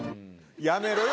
やめろよ！